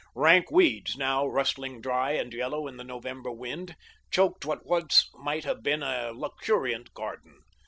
Rank weeds, now rustling dry and yellow in the November wind, choked what once might have been a luxuriant garden.